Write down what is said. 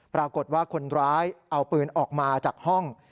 ปรากฏว่าคนร้ายเอาปืนออกมาจากห้อง